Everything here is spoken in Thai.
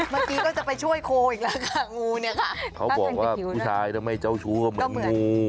เมื่อกี้ก็จะไปช่วยโคอีกแล้วค่ะงูเนี่ยค่ะเขาบอกว่าผู้ชายถ้าไม่เจ้าชู้ก็เหมือนงู